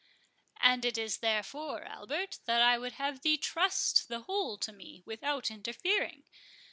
"And it is therefore, Albert, that I would have thee trust the whole to me, without interfering.